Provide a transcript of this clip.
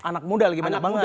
anak muda lagi banyak banget